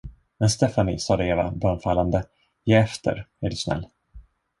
Men Stefanie, sade Eva bönfallande, ge efter, är du snäll!